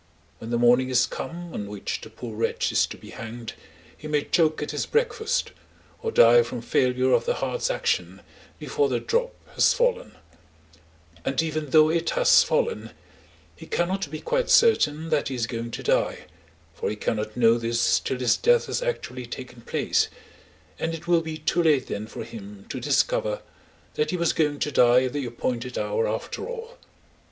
When the morning is come on which the poor wretch is to be hanged, he may choke at his breakfast, or die from failure of the heart's action before the drop has fallen; and even though it has fallen, he cannot be quite certain that he is going to die, for he cannot know this till his death has actually taken place, and it will be too late then for him to discover that he was going to die at the appointed hour after all.